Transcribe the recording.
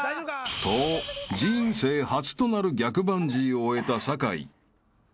［と人生初となる逆バンジーを終えた坂井］